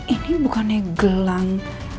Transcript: ini bukannya gelang